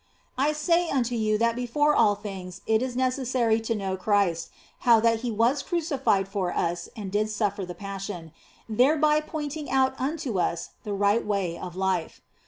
I say unto you that before all things it is necessary to know Christ, how that He was crucified for us and did suffer the Passion, thereby pointing out unto us the right way of life.